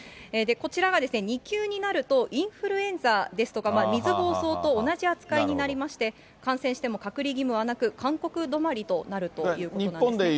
こちらが２級になると、インフルエンザですとか、水ぼうそうと同じ扱いになりまして、感染しても隔離義務はなく、勧告止まりとなるということなんですね。